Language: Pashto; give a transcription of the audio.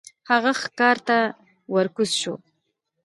هغه ښکار ته ور کوز شو.